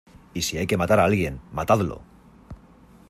¡ y si hay que matar a alguien, matadlo!